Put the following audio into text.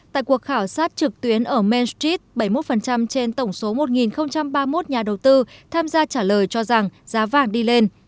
tại cuộc khảo sát trực tuyến ở main street bảy mươi một trên tổng số một ba mươi một nhà đầu tư tham gia trả lời cho rằng giá vàng đi lên